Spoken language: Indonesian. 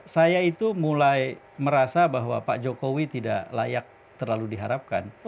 saya itu mulai merasa bahwa pak jokowi tidak layak terlalu diharapkan